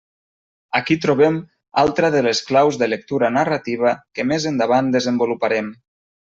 Aquí trobem altra de les claus de lectura narrativa que més endavant desenvoluparem.